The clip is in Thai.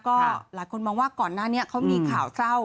ก็หลายคนมองว่าก่อนหน้านี้เขามีข่าวเศร้า